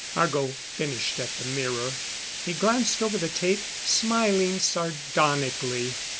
Argo finished at the mirror. He glanced over the tape, smiling sardonically.